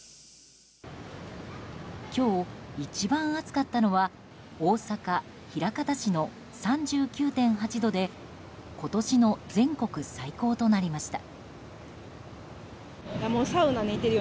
今日一番暑かったのは大阪・枚方市の３９．８度で今年の全国最高となりました。